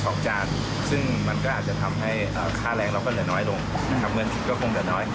เอาเงินทีก็คงเหลือน้อย